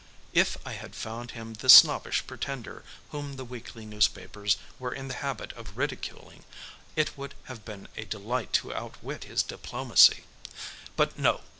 If I had found him the snobbish pretender whom the weekly newspapers were in the habit of ridiculing, it would have been a delight to outwit his diplomacy. But no!